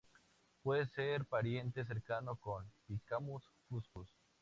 Puede ser pariente cercano con "Picumnus fuscus".